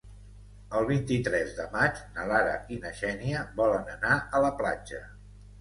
El vint-i-tres de maig na Lara i na Xènia volen anar a la platja.